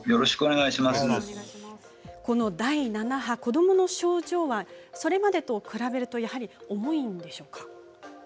この第７波、子どもの症状はそれまでと比べるとやはり重いんでしょうか。